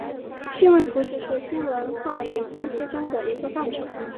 新闻图式是新闻话语分析中的一个范畴。